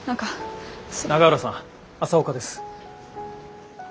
永浦さん朝岡です。